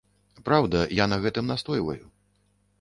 Праўда, я на гэтым настойваю.